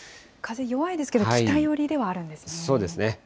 風、弱いですけど、北寄りではあるんですね。